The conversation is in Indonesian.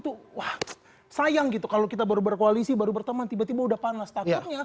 tuh wah sayang gitu kalau kita baru berkoalisi baru berteman tiba tiba udah panas takutnya